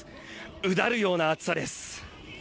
うだるような暑さです。